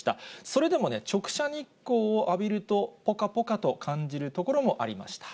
それでもね、直射日光を浴びると、ぽかぽかと感じる所もありました。